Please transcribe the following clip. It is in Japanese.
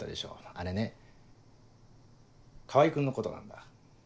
あれね川合君のことなんだ。